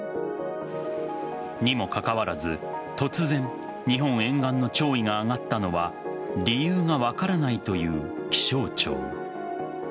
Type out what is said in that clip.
にもかかわらず、突然日本沿岸の潮位が上がったのは理由が分からないという気象庁。